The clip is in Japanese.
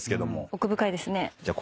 奥深いですね。